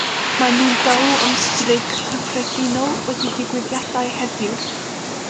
Mae nhw'n galw am streic cyffredinol wedi digwyddiadau heddiw.